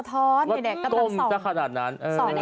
ต้มสักขนาดนั้น